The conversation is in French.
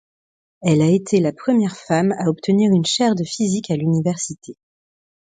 Elle a été la première femme à obtenir une chaire de physique à l'université.